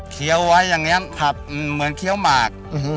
เคี้ยวไว้อย่างเนี้ยครับอืมเหมือนเคี้ยวหมากอื้อฮึ